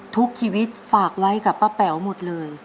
ทุกชีวิตฝากไว้กับป้าแป๋วหมดเลย